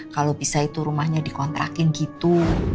kalau bisa itu rumahnya di kontrakin gitu